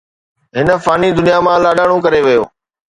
هن فاني دنيا مان لاڏاڻو ڪري ويو.